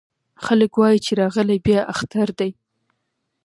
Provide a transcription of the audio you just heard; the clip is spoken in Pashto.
خلک وايې چې راغلی بيا اختر دی